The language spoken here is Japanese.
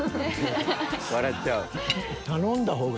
笑っちゃう？